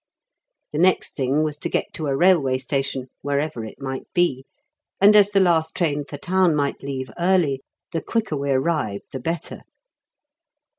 The next thing was to get to a railway station, wherever it might be, and as the last train for town might leave early, the quicker we arrived the better.